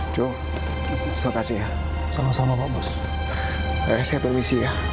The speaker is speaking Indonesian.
jom makasih ya